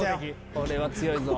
これは強いぞ！